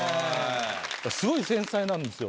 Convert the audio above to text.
スゴい繊細なんですよ